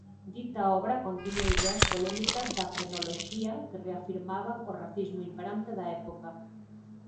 Dita obra contiña ideas polémicas da frenoloxía que reafirmaban o racismo imperante da época.